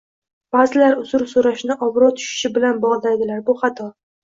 Ba’zilar uzr so'rashni obro' tushishi bilan bog'laydilar, bu xato.